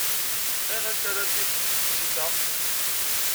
Ayeɣer i ttarrant ifeẓ tsita?